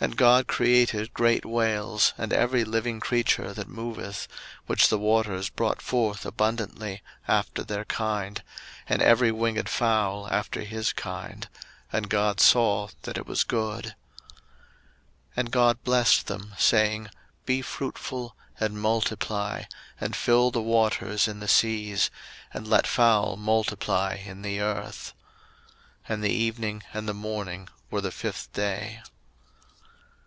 01:001:021 And God created great whales, and every living creature that moveth, which the waters brought forth abundantly, after their kind, and every winged fowl after his kind: and God saw that it was good. 01:001:022 And God blessed them, saying, Be fruitful, and multiply, and fill the waters in the seas, and let fowl multiply in the earth. 01:001:023 And the evening and the morning were the fifth day.